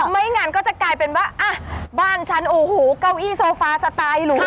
ไม่งั้นก็จะกลายเป็นว่าอ่ะบ้านฉันโอ้โหเก้าอี้โซฟาสไตล์หลวง